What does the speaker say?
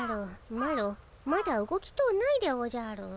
マロまだ動きとうないでおじゃる。